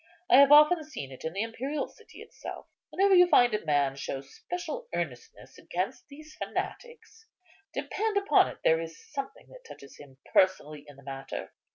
I have often seen it in the imperial city itself. Whenever you find a man show special earnestness against these fanatics, depend on it there is something that touches him personally in the matter.